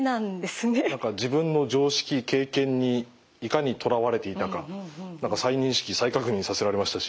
何か自分の常識経験にいかにとらわれていたか何か再認識再確認させられましたし。